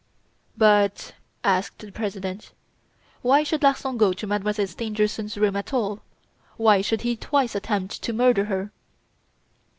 "But," asked the President, "why should Larsan go to Mademoiselle Stangerson's room, at all? Why should he twice attempt to murder her?"